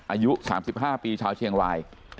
อายุ๓๕ปีชาวเชียงราย